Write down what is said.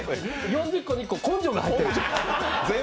４０個に１個、根性が入ってる。